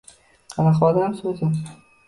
Qanaqa odamsiz, o‘zi?